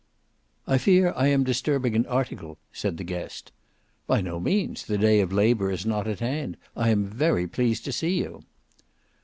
"I fear I am disturbing an article," said the guest. "By no means: the day of labour is not at hand. I am very pleased to see you."